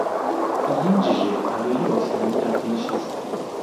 iyinjije ayo yose mu myaka ine ishize.